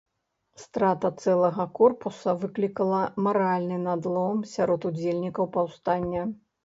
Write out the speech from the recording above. Страта цэлага корпуса выклікала маральны надлом сярод удзельнікаў паўстання.